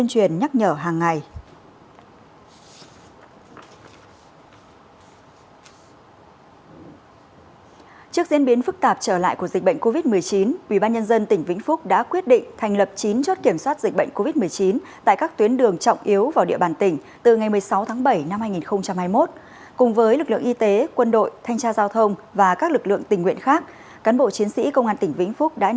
mỗi cán bộ chiến sĩ công an tỉnh vĩnh phúc đã vào đàng cố gắng làm tốt nhất vai trò trách nhiệm của mình